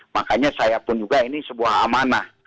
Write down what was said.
makanya saya pun juga ini sebuah amanah